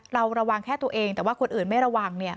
เราระวังแค่ตัวเองแต่ว่าคนอื่นไม่ระวัง